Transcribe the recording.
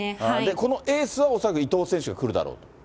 このエースは恐らく伊藤選手が来るだろうと。